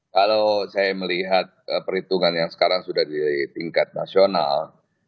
kalau saya melihat perhitungan yang sekarang sudah di tingkat nasional